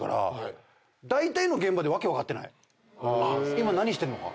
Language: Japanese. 今何してんのか。